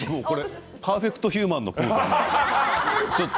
パーフェクトヒューマンのポーズですね。